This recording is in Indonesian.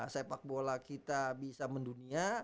sepak bola kita bisa mendunia